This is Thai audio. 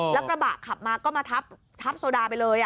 แล้วกระบะขับมาก็มาทับโซดาไปเลย